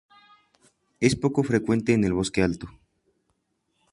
Es poco frecuente en el bosque alto.